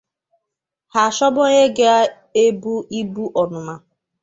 ha achọba onye ga-ebo ibu ọnụma